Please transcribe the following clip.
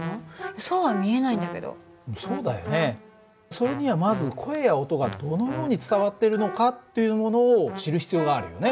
それにはまず声や音がどのように伝わっているのかというものを知る必要があるよね。